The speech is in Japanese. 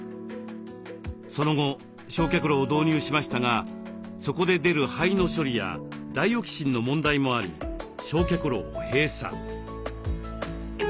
その後焼却炉を導入しましたがそこで出る灰の処理やダイオキシンの問題もあり焼却炉を閉鎖。